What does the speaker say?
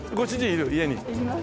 います。